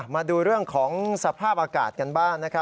มาดูเรื่องของสภาพอากาศกันบ้างนะครับ